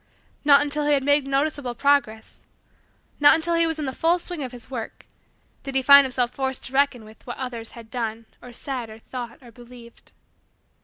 Not until he had made noticeable progress not until he was in the full swing of his work did he find himself forced to reckon with what others had done or said or thought or believed.